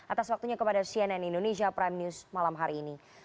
atas waktunya kepada cnn indonesia prime news malam hari ini